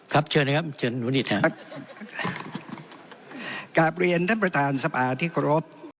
ครับเชิญนะครับเชิญหนุนอีกครับ